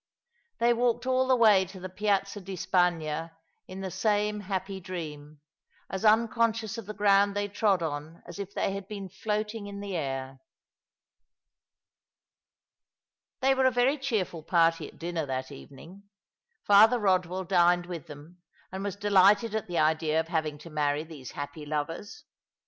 They walked all the way to the Piazza di Spagna in the same happy dream, as nncon scious of the ground they trod on as if they had been floating in the air. They were a very cheerful party at dinner that evening. Father Eodwell dined with them, and was delighted at tho idea of having to marry these happy lovers.